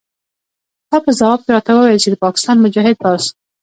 تا په ځواب کې راته وویل چې د پاکستان مجاهد پوځ.